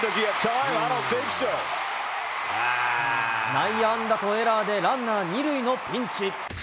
内野安打とエラーでランナー２塁のピンチ。